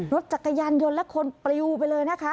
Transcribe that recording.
รถจักรยานยนต์และคนปลิวไปเลยนะคะ